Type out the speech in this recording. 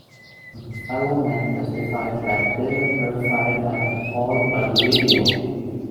The Buffalo men testified that they were terrified and appalled by the video.